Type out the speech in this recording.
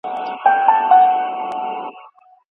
شاګرد د خپل کار لپاره نوي طرحه جوړوي.